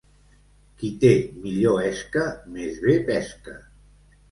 Qui té millor esca més bé pesca.